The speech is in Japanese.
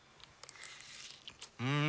うん！